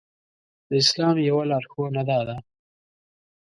د اسلام يوه لارښوونه دا ده.